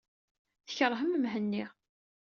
Tkeṛhem Mhenni.